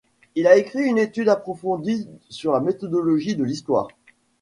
Il a écrit une étude approfondie sur la méthodologie de l'histoire.